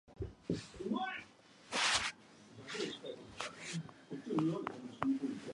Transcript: Once each year, the "Edmonton Sun" prints a special swimsuit edition.